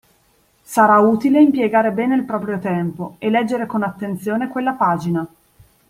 Sarà utile impiegare bene il proprio tempo e leggere con attenzione quella pagina.